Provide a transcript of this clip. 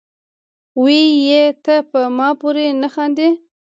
وې ئې " تۀ پۀ ما پورې نۀ خاندې،